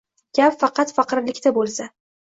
Gap faqat faqirliqda bo'lsa